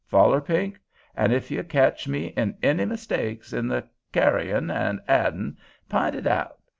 Foller, Pink, an' if you ketch me in any mistakes in the kyarin' an' addin', p'int it out.